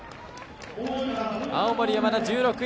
青森山田、１６位。